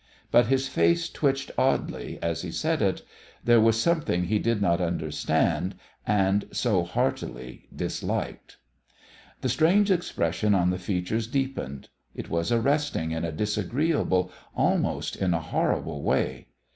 But his face twitched oddly as he said it. There was something he did not understand, and so heartily disliked. The strange expression on the features deepened. It was arresting in a disagreeable, almost in a horrible, way.